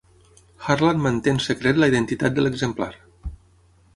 Harlan manté en secret la identitat de l'exemplar.